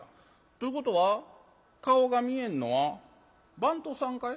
ということは顔が見えんのは番頭さんかい？